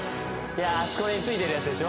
あそこについてるやつでしょ？